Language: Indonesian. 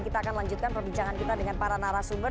kita akan lanjutkan perbincangan kita dengan para narasumber